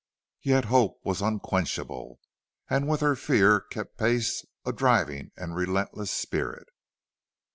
Yet hope was unquenchable, and with her fear kept pace a driving and relentless spirit.